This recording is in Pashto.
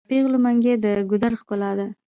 د پیغلو منګي د ګودر ښکلا ده.